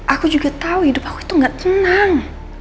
aku juga tahu hidup aku itu gak tenang